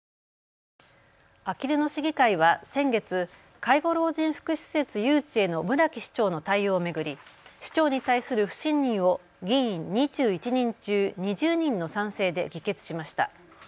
あきる野市議会は先月、介護老人福祉施設誘致への村木市長の対応を巡り市長に対する不信任を議員２１人中２０人の賛成で議決しました。